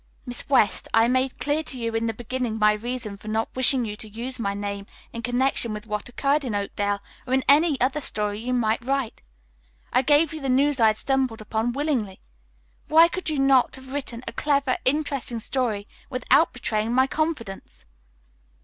"Miss West, I made clear to you in the beginning my reason for not wishing you to use my name in connection with what occurred in Oakdale or in any other story you might write. I gave you the news I had stumbled upon willingly. Why could you not have written a clever, interesting story without betraying my confidence?"